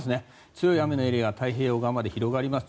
強い雨のエリアが太平洋側まで広がります。